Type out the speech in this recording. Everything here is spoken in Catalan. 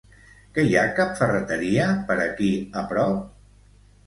Que hi ha cap ferreteria per aquí a prop?